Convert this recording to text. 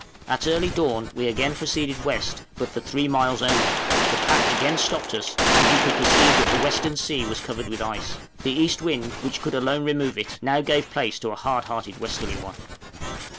At early dawn we again proceeded west, but for three miles only; the pack again stopped us, and we could perceive that the western sea was covered with ice: the east wind, which could alone remove it, now gave place to a hard hearted westerly one.